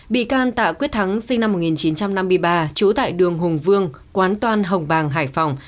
bị can tạ quyết thắng sinh năm một nghìn chín trăm năm mươi ba trú tại đường hùng vương quán toàn hồng bàng hải phòng